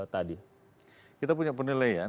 tadi kita punya penilaian